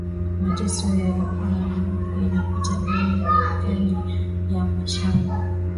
Mateso ya ba mama ina pita bwingi mu kaji ya mashamba